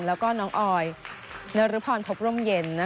แล้วก็น้องออยนรพรพบร่มเย็น